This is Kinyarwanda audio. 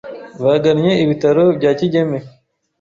bagannye ibitaro bya Kigeme